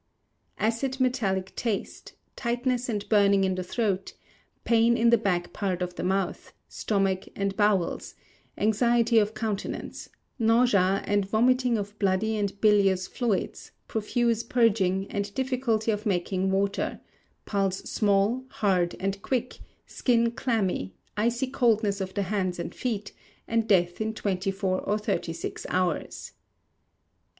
Acid metallic taste; tightness and burning in the throat; pain in the back part of the mouth, stomach, and bowels; anxiety of countenance; nausea; and vomiting of bloody and bilious fluids; profuse purging, and difficulty of making water; pulse small, hard, and quick; skin clammy, icy coldness of the hands and feet; and death in 24 or 36 hours.